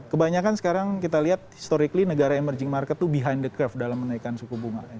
kebanyakan sekarang kita lihat historically negara emerging market itu behind the curve dalam menaikkan suku bunga